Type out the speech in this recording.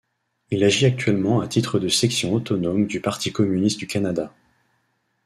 Il agit actuellement à titre de section autonome du Parti communiste du Canada.